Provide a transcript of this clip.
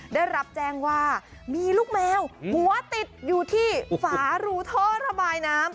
ได้รับแจ้งว่ามีลูกแมวหัวติดอยู่ที่ฝารูท่อระบายน้ำ